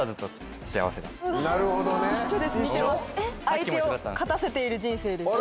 「相手を勝たせている人生です」。